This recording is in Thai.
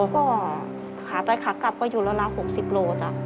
ก็ค่าไปค่ากับก็อยู่ละคราภดอยู่ละกีโลจ้ะ